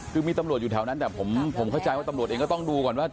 คือมีตำรวจอยู่แถวนั้นแต่ผมเข้าใจว่าตำรวจเองก็ต้องดูก่อนว่า